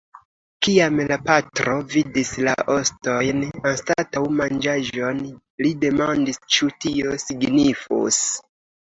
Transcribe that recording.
Kiam la patro vidis la ostojn anstataŭ manĝaĵon, li demandis ĉu tio signifus.